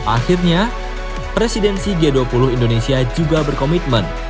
akhirnya presidensi g dua puluh indonesia juga berkomitmen